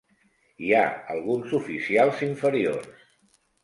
Hi ha alguns oficials inferiors.